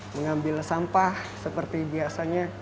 mengambil sampah seperti biasanya